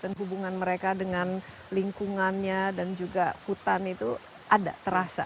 dan hubungan mereka dengan lingkungannya dan juga hutan itu ada terasa